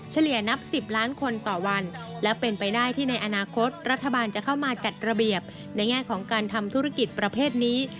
เฉลี่ยนับ๑๐ล้านคนต่อวันและเป็นไปได้ที่ในอนาคตรัฐบาลจะเข้ามาจัดระเบียบในแง่ของการทำธุรกิจประเภทนี้